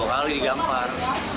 dua kali digambar